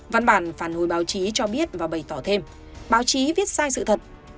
văn bản phản hồi báo chí cho biết và bày tỏ thêm báo chí viết sai sự thật